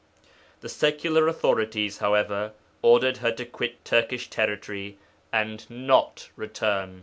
The secular authorities, however, ordered her to quit Turkish territory and not return.